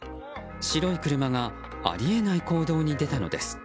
白い車があり得ない行動に出たのです。